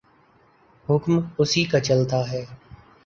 حکم اسی کا چلتاہے۔